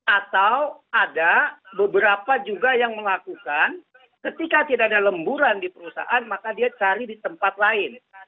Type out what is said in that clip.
atau ada beberapa juga yang melakukan ketika tidak ada lemburan di perusahaan maka dia cari di tempat lain